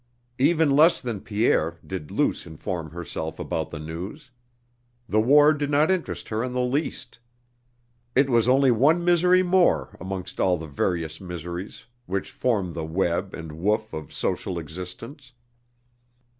Even less than Pierre did Luce inform herself about the news. The war did not interest her in the least. It was only one misery more amongst all the various miseries which form the web and woof of social existence.